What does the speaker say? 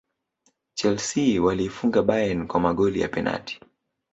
chelsea waliifunga bayern kwa magoli ya penati